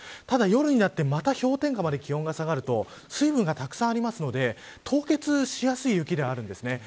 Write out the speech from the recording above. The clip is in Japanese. ただ、夜になってまた氷点下まで気温が下がると水分がたくさんあるので凍結しやすい雪ではあるんです。